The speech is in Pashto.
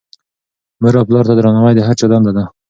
مور او پلار ته درناوی د هر چا دنده ده.